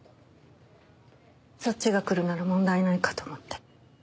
そっちが来るなら問題ないかと思って。